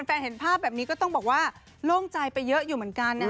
เห็นภาพแบบนี้ก็ต้องบอกว่าโล่งใจไปเยอะอยู่เหมือนกันนะ